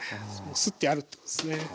すってあるってことですね。